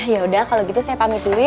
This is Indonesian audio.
ya udah kalau gitu saya pamit dulu